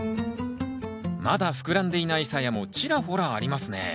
まだ膨らんでいないさやもちらほらありますね。